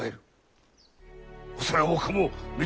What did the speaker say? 恐れ多くも水戸。